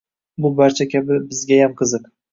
Bu barcha kabi bizgayam qiziq!